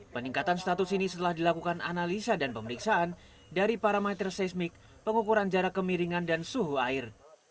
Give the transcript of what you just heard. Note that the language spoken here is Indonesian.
peningkatan status ini setelah dilakukan analisa dan pemeriksaan dari parameter seismik pengukuran jarak kemiringan dan suhu air